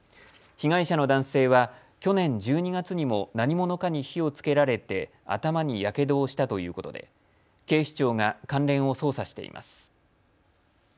被害者の男性は去年１２月にも何者かに火をつけられて頭にやけどをしたということで警視庁が関連を捜査しています。